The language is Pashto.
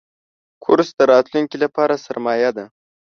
کورس د راتلونکي لپاره سرمایه ده.